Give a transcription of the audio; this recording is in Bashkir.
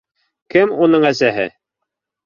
Кем уның әсәһе?